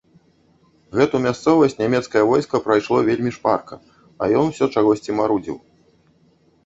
Гэту мясцовасць нямецкае войска прайшло вельмі шпарка, а ён усё чагосьці марудзіў.